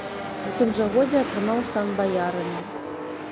У тым жа годзе атрымаў сан баярына.